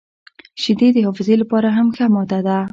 • شیدې د حافظې لپاره هم ښه ماده ده.